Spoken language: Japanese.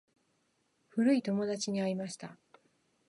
古い友達に会いました。